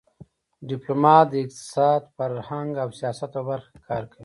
ډيپلومات د اقتصاد، فرهنګ او سیاست په برخه کې کار کوي.